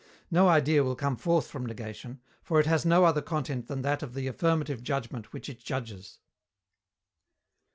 No idea will come forth from negation, for it has no other content than that of the affirmative judgment which it judges.